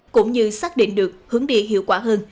cũng như xác định được hướng đi hiệu quả hơn